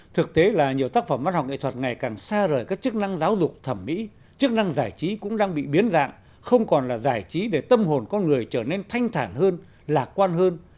thực tế là nhiều tác phẩm văn học nghệ thuật ngày càng xa rời các chức năng giáo dục thẩm mỹ chức năng giải trí cũng đang bị biến dạng không còn là giải trí để tâm hồn con người trở nên thanh thản hơn lạc quan hơn